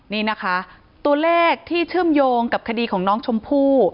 นี่นะคะตัวเลขที่เชื่อมโยงกับคดีของน้องชมพู่